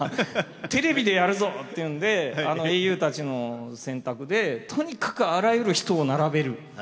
「テレビでやるぞ」っていうんで「英雄たちの選択」でとにかくあらゆる人を並べる。